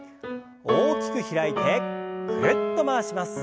大きく開いてぐるっと回します。